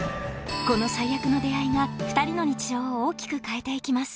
この最悪の出会いが２人の日常を大きく変えて行きます